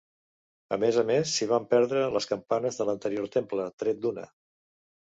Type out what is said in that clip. A més a més, s'hi van perdre les campanes de l'anterior temple, tret d'una.